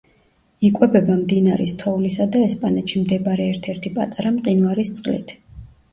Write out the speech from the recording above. იკვებება მდნარი თოვლისა და ესპანეთში მდებარე ერთ-ერთი პატარა მყინვარის წყლით.